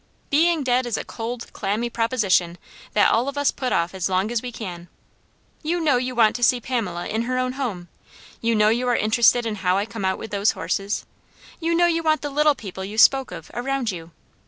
Being dead is a cold, clammy proposition, that all of us put off as long as we can. You know you want to see Pamela in her own home. You know you are interested in how I come out with those horses. You know you want the little people you spoke of, around you.